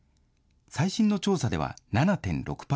最新の調査では７．６％。